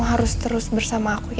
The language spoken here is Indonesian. kamu harus terus bersama aku ya